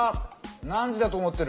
何時だと思ってる？